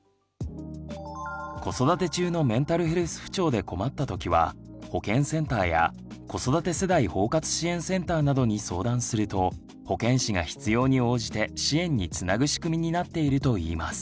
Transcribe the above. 子育て中のメンタルヘルス不調で困った時は保健センターや子育て世代包括支援センターなどに相談すると保健師が必要に応じて支援につなぐ仕組みになっているといいます。